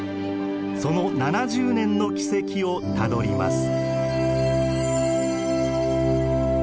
その７０年の軌跡をたどります。